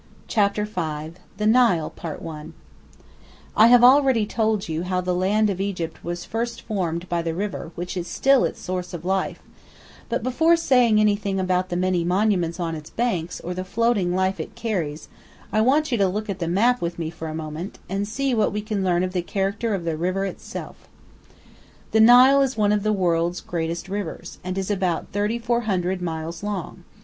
CHAPTER V THE NILE I I have already told you how the land of Egypt was first formed by the river which is still its source of life; but before saying anything about the many monuments on its banks or the floating life it carries, I want you to look at the map with me for a moment, and see what we can learn of the character of the river itself. The Nile is one of the world's great rivers, and is about 3,400 miles long.